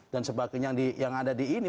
dan sebagainya yang ada di ini